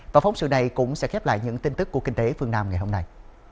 và phóng sự này cũng sẽ khép lại những tin tức của kinh tế phương nam ngày hôm nay